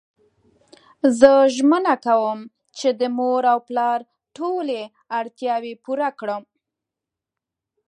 زه ژمنه کوم چی د مور او پلار ټولی اړتیاوی پوره کړم